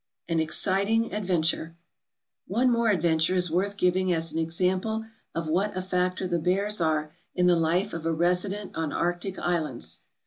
An Exciting Adventure One more adventure is worth giving as an example of what a factor the bears are in the life of a resident on arctic islands.